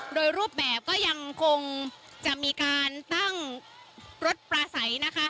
โดยรูปแบบก็ยังคงจะมีการตั้งรถปลาใสนะคะ